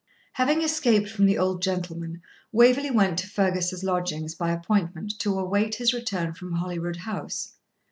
Having escaped from the old gentleman, Waverley went to Fergus's lodgings by appointment, to await his return from Holyrood House.